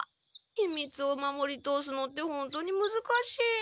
ひみつを守り通すのってほんとにむずかしい。